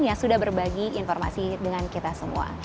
yang sudah berbagi informasi dengan kita semua